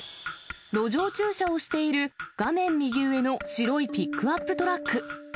路上駐車をしている、画面右上の白いピックアップトラック。